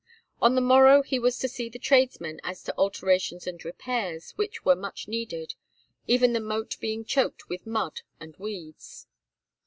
On the morrow he was to see the tradesmen as to alterations and repairs which were much needed, even the moat being choked with mud and weeds.